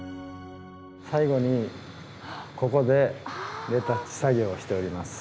最後にここでレタッチ作業をしております。